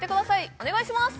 お願いします！